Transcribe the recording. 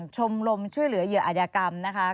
ชมรมช่วยเหลืออยู่อาณาจรรยากรรมนะคะ